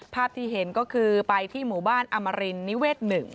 ภาพที่เห็นก็คือไปที่หมู่บ้านอมรินนิเวศ๑